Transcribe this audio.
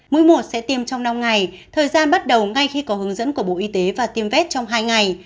mũi một sẽ tiêm trong năm ngày thời gian bắt đầu ngay khi có hướng dẫn của bộ y tế và tiêm vét trong hai ngày